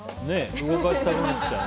動かしたくなっちゃうね。